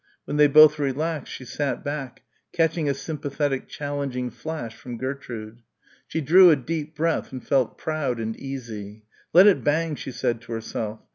When they both relaxed she sat back, catching a sympathetic challenging flash from Gertrude. She drew a deep breath and felt proud and easy. Let it bang, she said to herself.